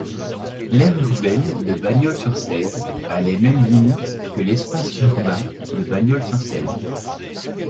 L’aire urbaine de Bagnols-sur-Cèze a les mêmes limites que l’espace urbain de Bagnols-sur-Cèze.